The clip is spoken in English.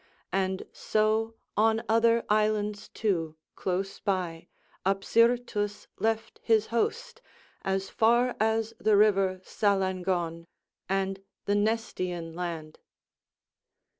And so on other islands too, close by, Apsyrtus left his host as far as the river Salangon and the Nestian land.